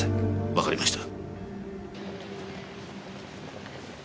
わかりました。